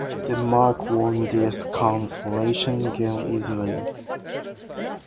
Denmark won this consolation game easily.